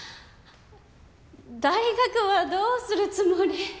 大学はどうするつもり？